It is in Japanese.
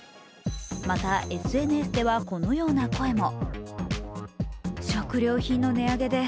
また、ＳＮＳではこのような声も。